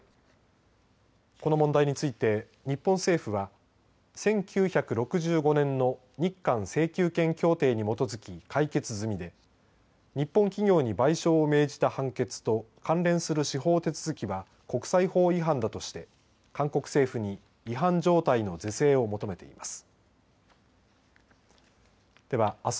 この問題について日本政府は１９６５年の日韓請求権協定に基づき解決済みで日本企業に賠償を命じた判決と関連する司法手続きは国際法違反だとして韓国政府に違反状態の是正を求めています。